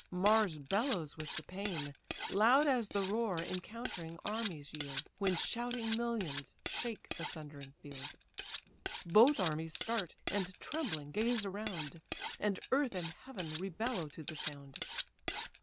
Mars bellows with the pain: Loud as the roar encountering armies yield, When shouting millions shake the thundering field. Both armies start, and trembling gaze around; And earth and heaven re bellow to the sound.